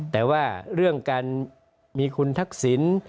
แต่ว่าเรื่องการมีคุณทักษิณ